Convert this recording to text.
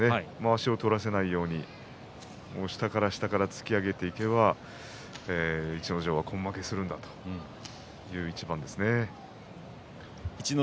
よく見ながらまわしを取らせないように下から下から突き上げていけば逸ノ城は根負けするんだという一番ですね。